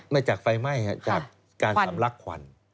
มาจากไฟไหม้จากการสำลักควัน